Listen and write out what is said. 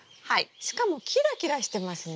しかもキラキラしてますね。